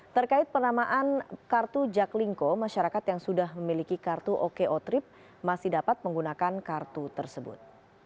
terkait penamaan kartu jaklingko masyarakat yang sudah memiliki kartu oko trip masih dapat menggunakan kartu tersebut